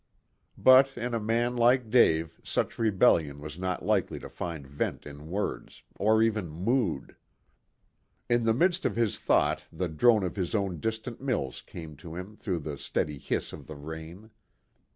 But in a man like Dave such rebellion was not likely to find vent in words, or even mood. In the midst of his thought the drone of his own distant mills came to him through the steady hiss of the rain.